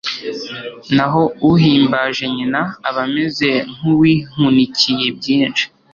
naho uhimbaje nyina aba ameze nk'uwihunikiye byinshi